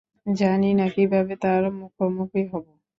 জানি না কীভাবে তার মুখোমুখি হবো।